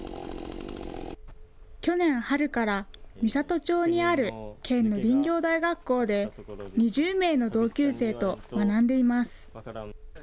去年春から、美郷町にある県の林業大学校で、２０名の同級生と学んでいます。